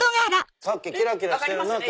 さっきキラキラしてるなぁと。